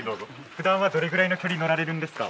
ふだんはどれぐらいの距離乗られるんですか？